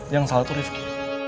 yang salah tuh rifki